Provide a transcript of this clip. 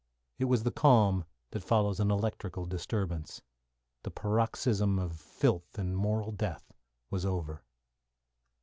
It was the calm that follows an electrical disturbance. The paroxysm of filth and moral death was over.